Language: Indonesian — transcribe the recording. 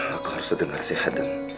aku harus dengar si hadeng